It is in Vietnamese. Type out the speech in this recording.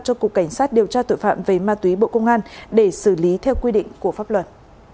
cho cục cảnh sát điều tra tội phạm về ma túy bộ công an để xử lý theo quy định của pháp luật